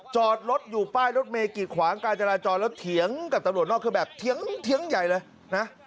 จอดรถอยู่ป้ายรถเมฆีดขวางการจราจรแล้วเถียงกับตำรวจนอกเครื่องแบบเถียงใหญ่เลยนะ